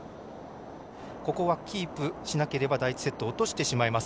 ここはキープしなければ第１セット落としてしまいます。